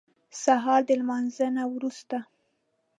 سهار د لمانځه وروسته.